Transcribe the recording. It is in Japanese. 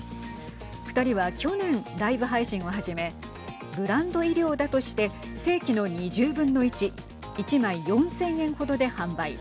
２人は去年、ライブ配信を始めブランド衣料だとして正規の２０分の１１枚４０００円ほどで販売。